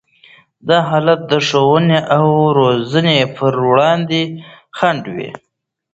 دا حالت د ښوونې او روزنې پر وړاندې خنډ دی.